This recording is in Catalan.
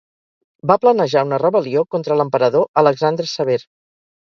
Va planejar una rebel·lió contra l'emperador Alexandre Sever.